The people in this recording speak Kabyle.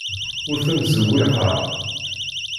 Ur tent-ttzewwiqeɣ.